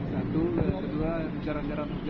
satu dua cara cara berganti